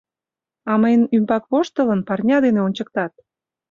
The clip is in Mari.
А мыйын ӱмбак, воштылын, парня дене ончыктат!